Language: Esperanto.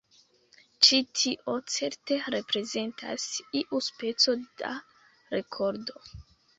Ĉi-tio certe reprezentas iu speco da rekordo.